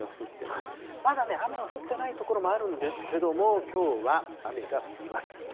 まだ、雨の降ってない所もあるんですけども、きょうは雨が降ります。